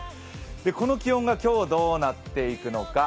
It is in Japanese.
この気温が今日どうなっていくのか。